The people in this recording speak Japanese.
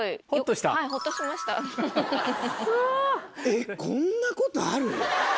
えっこんなことある？